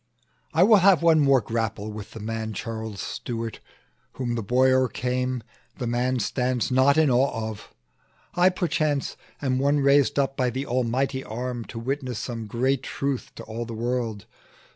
"I will have one more grapple with the man Charles Stuart: whom the boy o'ercame, The man stands not in awe of. I, perchance, Am one raised up by the Almighty arm To witness some great truth to all the world.